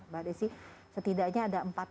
mbak desi setidaknya ada empat